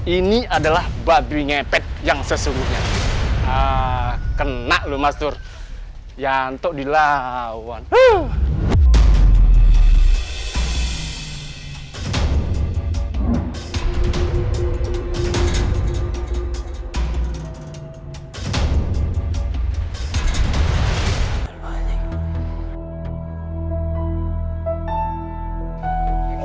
ini adalah babi ngepet yang sesungguhnya ah kena lu mas nur yanto dilawan tuh